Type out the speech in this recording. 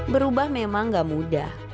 berubah memang gak mudah